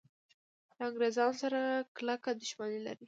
له انګریزانو سره کلکه دښمني لري.